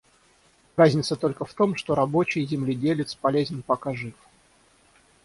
Разница только в том, что рабочий, земледелец полезен, пока жив.